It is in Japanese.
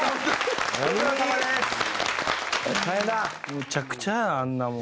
むちゃくちゃやあんなもん。